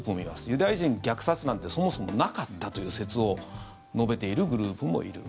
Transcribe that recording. ユダヤ人虐殺なんてそもそもなかったという説を述べているグループもいる。